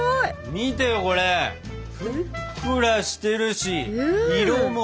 見てよこれ！ふっくらしてるし色もいいし。